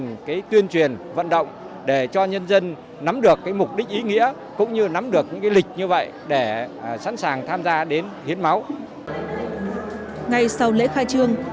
ngày sau lễ khai trương đông đảo các tình nguyện viên đã tham gia hiến những giọt máu hồng để góp phần phục vụ cấp cứu và điều trị thường xuyên cho người bệnh